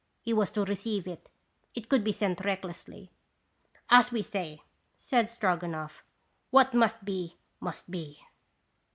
He was to receive it; it could be sent recklessly." "As we say," said Stroganoff, "what must be, must be."